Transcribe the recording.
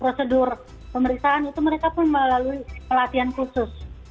prosedur pemeriksaan itu mereka pun melalui pelatihan khusus